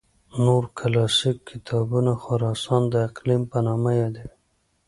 نور کلاسیک کتابونه خراسان د اقلیم په نامه یادوي.